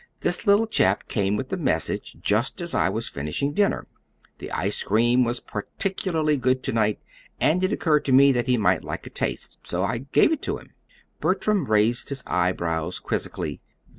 "This little chap came with a message just as I was finishing dinner. The ice cream was particularly good to night, and it occurred to me that he might like a taste; so I gave it to him." Bertram raised his eyebrows quizzically.